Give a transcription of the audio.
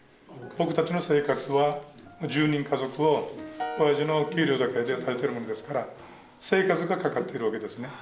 僕たちの生活は１０人家族をおやじの給料だけでやっているもんですから生活がかかっているわけですね。